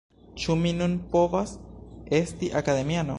Ĉu mi nun povas esti Akademiano?